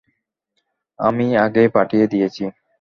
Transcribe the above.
আমি আগেই পাঠিয়ে দিয়েছি।